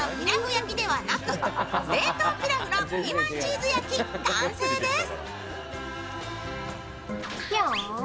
焼きではなく冷凍ピラフのピーマンチーズ焼き完成です。